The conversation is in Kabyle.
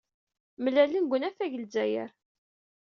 Mlalen deg unafag n Lezzayer.